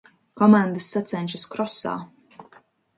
Komandas sacenšas krosā